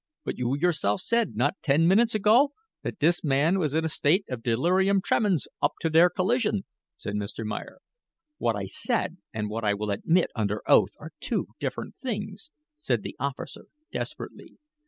"But you yourself said, not ten minutes ago, that this man was in a state of delirium tremens up to der collision," said Mr. Meyer. "What I said and what I will admit under oath are two different things," said the officer, desperately.